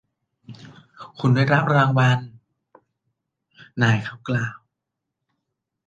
คุณได้รับรางวัลนายเขากล่าว